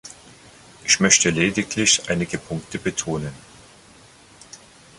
Ich möchte lediglich einige Punkte betonen.